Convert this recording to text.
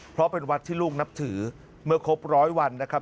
เพราะเป็นวัดที่ลูกนับถือเมื่อครบร้อยวันนะครับ